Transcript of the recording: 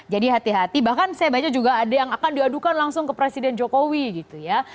jadi hati hati bahkan saya baca juga ada yang akan diadukan langsung ke presiden jokowi gitu ya